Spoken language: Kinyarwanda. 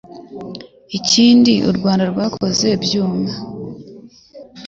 Ikindi u Rwanda rwakoze byuma